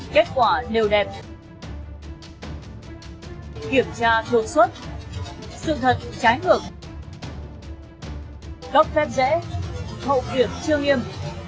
kết quả đều đẹp kiểm tra thuộc xuất sự thật trái ngược góc phép rẽ hậu kiểm chưa nghiêm